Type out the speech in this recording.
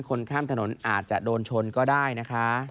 คนข้ามถนนอาจจะโดนชนก็ได้นะคะ